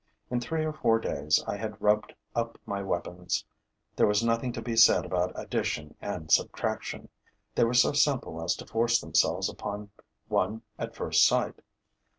In three or four days, I had rubbed up my weapons. There was nothing to be said about addition and subtraction: they were so simple as to force themselves upon one at first sight.